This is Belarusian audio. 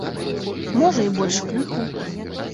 Можа і больш крыху.